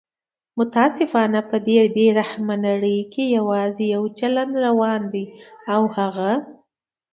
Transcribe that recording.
متاسفانه په دې بې رحمه نړۍ کې یواځي یو چلند روان دی او هغه